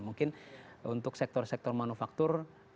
mungkin untuk sektor sektor manufaktur hanya beberapa ya